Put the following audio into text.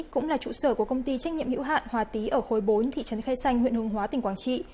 cũng là trụ sở của công ty trách nhiệm hữu hạn hòa tý ở khối bốn thị trấn khe xanh huyện hương hóa tỉnh quảng trị